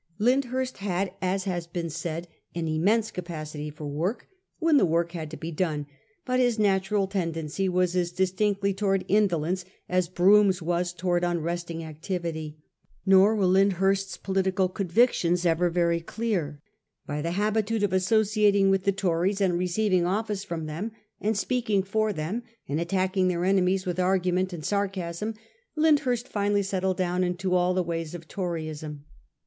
Lyndhurst had, as has been said, an immense capacity for work, when the work had to be done ; but his natural tendency was as distinctly to wards indolence as Brougham's was towards unresting activity. Nor were Lyndhurst's political convictions 1887. LORD LYNDHURST. 85 ever very clear. By the habitude of associating with the Tories, and receiving office from them, and speaking for them, and attacking their enemies with argument and sarcasm, Lyndhurst finally settled down into all the ways of Toryism.